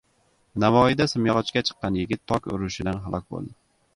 Navoiyda simyog‘ochga chiqqan yigit tok urishidan halok bo‘ldi